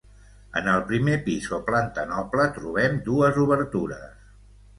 En el primer pis o planta noble trobem dues obertures.